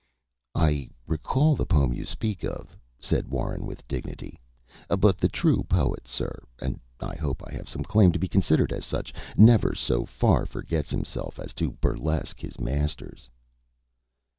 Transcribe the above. "I recall the poem you speak of," said Warren, with dignity; "but the true poet, sir and I hope I have some claim to be considered as such never so far forgets himself as to burlesque his masters."